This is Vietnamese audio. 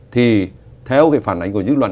thì theo cái phản ánh của dư luận